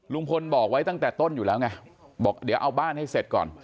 ลุงพลบอกไว้ตั้งแต่ต้นอยู่แล้วไงบอกเดี๋ยวเอาบ้านให้เสร็จก่อน